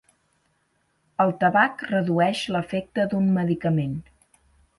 El tabac redueix l'efecte d'un medicament